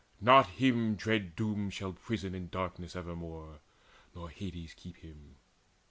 Not him Dread doom shall prison in darkness evermore, Nor Hades keep him.